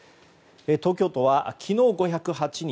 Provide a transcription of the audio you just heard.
東京都は昨日５０８人